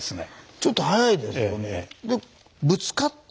ちょっと速いですよね。